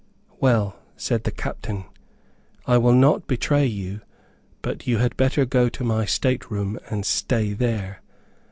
"Well," said the captain, "I will not betray you; but you had better go to my state room and stay there."